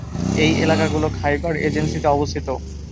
এই এলাকাগুলো খাইবার এজেন্সিতে অবস্থিত।